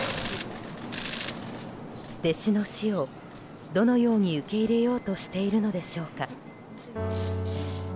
弟子の死をどのように受け入れようとしているのでしょうか。